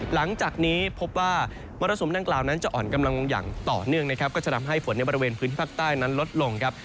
หลังจากนี้พบว่ามรสุมดังกล่าวนั้นจะอ่อนกำลังลงอย่างต่อเนื่องนะครับก็จะทำให้ฝนในบริเวณพื้นที่ภาคใต้นั้นลดลงครับ